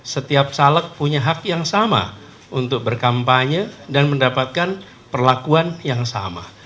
setiap caleg punya hak yang sama untuk berkampanye dan mendapatkan perlakuan yang sama